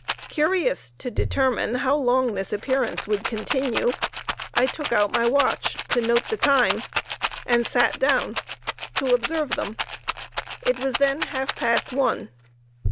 Curious to determine how long this appearance would continue, I took out my watch to note the time, and sat down to, observe them. It was then half past one.